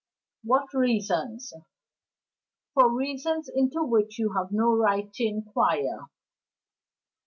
"What reasons?" "For reasons into which you have no right to inquire."